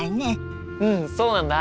うんそうなんだ。